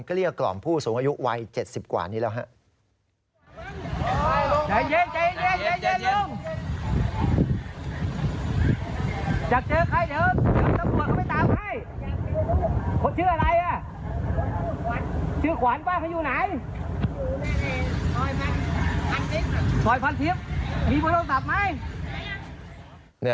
ก็เรียกกล่อมผู้สูงอายุวัย๗๐กว่านี้แล้วฮะ